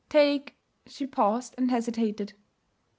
'Take ' She paused and hesitated.